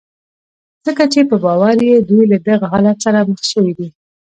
ځکه چې په باور يې دوی له دغه حالت سره مخ شوي دي.